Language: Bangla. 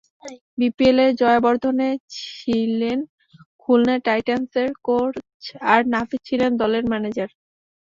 বিপিএলে জয়াবর্ধনে ছিলেন খুলনা টাইটানসের কোচ আর নাফিস ছিলেন দলের ম্যানেজার।